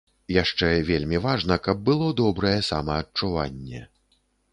Яшчэ вельмі важна, каб было добрае самаадчуванне.